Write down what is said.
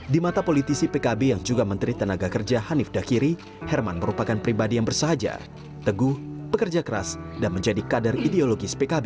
di mata politisi pkb yang juga menteri tenaga kerja hanif dakiri herman merupakan pribadi yang bersahaja teguh bekerja keras dan menjadi kader ideologis pkb